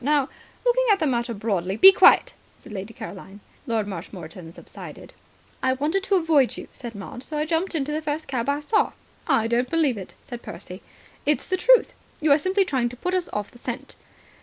"Now, looking at the matter broadly " "Be quiet," said Lady Caroline. Lord Marshmoreton subsided. "I wanted to avoid you," said Maud, "so I jumped into the first cab I saw." "I don't believe it," said Percy. "It's the truth." "You are simply trying to put us off the scent."